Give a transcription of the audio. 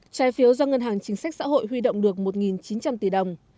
trái phiếu do ngân hàng chính sách xã hội huy động được một chín trăm linh tỷ đồng